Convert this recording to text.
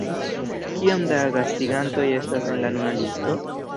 Kiom da gastigantoj estas en la nuna listo?